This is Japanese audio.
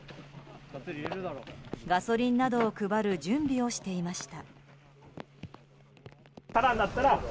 ガソリンなどを配る準備をしていました。